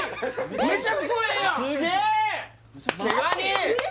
めちゃくちゃええやん！